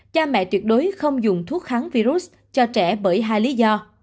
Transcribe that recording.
cha mẹ tuyệt đối không dùng thuốc kháng virus cho trẻ bởi hai lý do